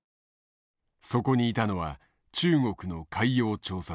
そこにいたのは中国の海洋調査船。